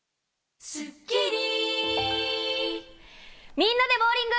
みんなでボウリング！